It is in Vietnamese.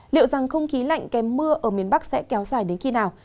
liệu rằng không khí lạnh kèm mưa ở miền bắc sẽ kéo dài đến khi nào